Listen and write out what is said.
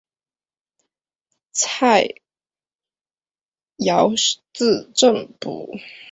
蔡圭字正甫。